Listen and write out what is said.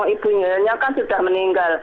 ibundanya kan sudah meninggal